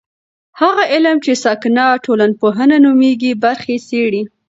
هغه علم چې ساکنه ټولنپوهنه نومیږي برخې څېړي.